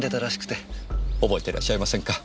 覚えてらっしゃいませんか？